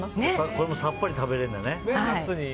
これもさっぱり食べれるんだね。